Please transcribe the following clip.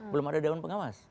belum ada dewan pengawas